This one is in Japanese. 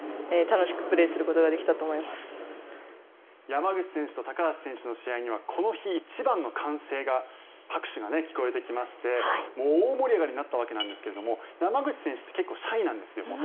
山口選手と高橋選手の試合にはこの日一番の歓声が拍手が聞こえてきまして大盛り上がりになったわけですが山口選手って結構シャイなんですよ。